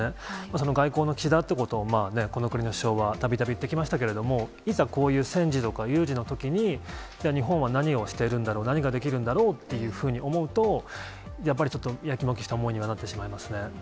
その外交の岸田ということをこの国の首相はたびたび言ってきましたけれども、いざ、こういう戦時とか有事のときに、日本は何をしてるんだろう、何ができるんだろうっていうふうに思うと、やっぱりちょっと、やきもきした思いにはなってしまいますね。